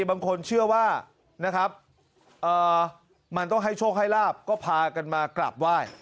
กันบางคนเชื่อว่านะครับ